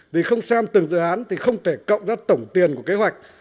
vì không xem từng dự án thì không thể cộng ra tổng tiền của kế hoạch